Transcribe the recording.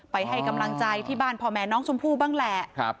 ให้กำลังใจที่บ้านพ่อแม่น้องชมพู่บ้างแหละ